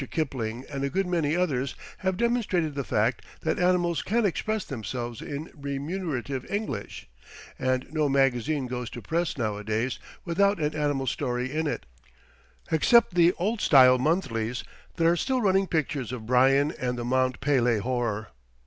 Kipling and a good many others have demonstrated the fact that animals can express themselves in remunerative English, and no magazine goes to press nowadays without an animal story in it, except the old style monthlies that are still running pictures of Bryan and the Mont Pélee horror.